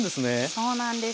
そうなんです。